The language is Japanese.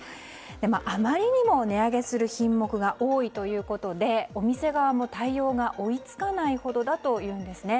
あまりにも値上げする品目が多いということでお店側も対応が追い付かないほどというんですね。